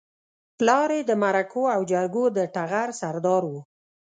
پلار يې د مرکو او جرګو د ټغر سردار و.